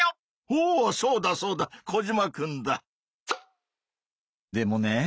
おおそうだそうだコジマくんだ。